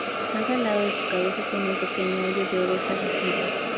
Cada lado de su cabeza tiene un pequeño hoyo de oreja visible.